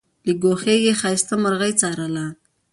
له ګوښې یې ښایسته مرغۍ څارله